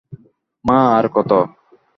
মা, আর কত!